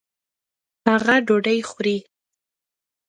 هغه ډوډۍ خوري.